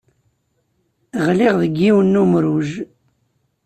Ɣliɣ deg yiwen n umruj.